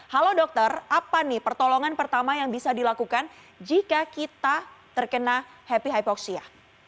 halo dokter apa nih pertolongan pertama yang bisa dilakukan jika kita terkena happy hypoxia